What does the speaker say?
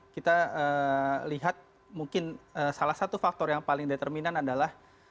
kita lihat mungkin salah satu faktor yang paling determinan adalah